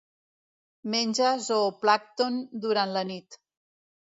Menja zooplàncton durant la nit.